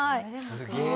すげえ。